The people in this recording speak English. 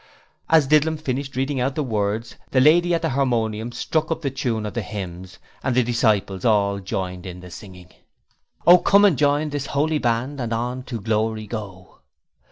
As Didlum finished reading out the words, the lady at the harmonium struck up the tune of the hymns, and the disciples all joined in the singing: 'Oh, come and join this 'oly band and hon to glory go.'